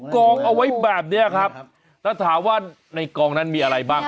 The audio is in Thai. กองเอาไว้แบบนี้ครับแล้วถามว่าในกองนั้นมีอะไรบ้าง